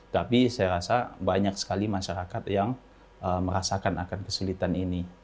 tapi saya rasa banyak sekali masyarakat yang merasakan akan kesulitan ini